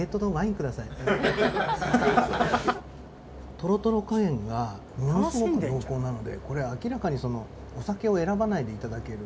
とろとろ加減がものすごく濃厚なのでこれ明らかにお酒を選ばないでいただける。